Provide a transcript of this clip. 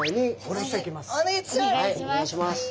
お願いします！